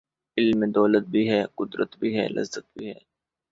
علم میں دولت بھی ہے ،قدرت بھی ہے ،لذت بھی ہے